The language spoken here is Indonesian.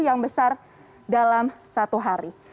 yang besar dalam satu hari